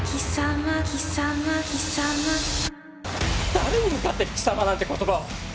誰に向かって「貴様」なんて言葉を！